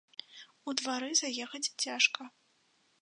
У двары заехаць цяжка.